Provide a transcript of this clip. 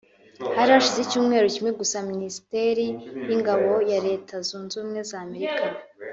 Hari hasize icyumweru kimwe gusa Minisiteri y'Ingabo ya Leta Zunze Ubumwe za Amerika